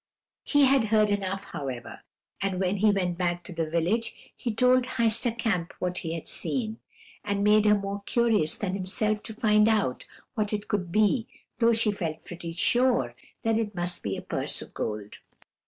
He had heard enough, however; and when he went back to the village, he told Heister Kamp what he had seen, and made her more curious than himself to find out what it could be, though she felt pretty sure that it must be a purse of gold.